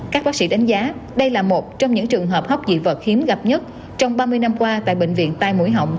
các bác sĩ đánh giá đây là một trong những trường hợp hóc dị vật hiếm gặp nhất trong ba mươi năm qua tại bệnh viện tai mũi họng